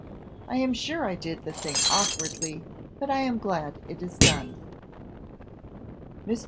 I am sure I did the thing awkwardly, but I am glad it is done." Mr.